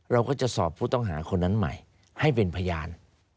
เราก็จะสอบผู้ต้องหาคนนั้นใหม่ให้เป็นพยาน